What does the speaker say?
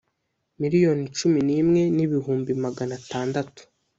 Miliyoni cumi n imwe n ibihumbi magana atandatu